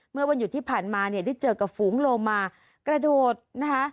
เมื่อวันหยุดที่ผ่านมาเนี่ยได้เจอกับฝูงโลมากระโดดนะคะ